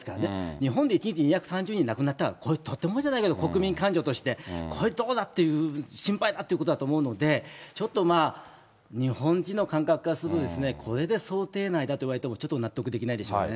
日本で１日２３０人亡くなったら、これ、とてもじゃないけど、国民感情として、これどうだっていう、心配だっていうことになるので、ちょっと日本人の感覚からするとですね、これで想定内だと言われても、ちょっと納得できないでしょうね。